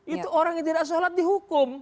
itu orang yang tidak sholat dihukum